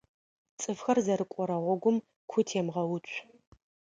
ЦӀыфхэр зэрыкӀорэ гъогум ку темгъэуцу.